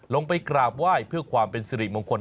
ลงไปกราบไหว้เพื่อความเป็นสิริมงคล